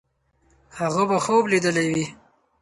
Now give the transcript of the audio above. هغه به خوب لیدلی وي.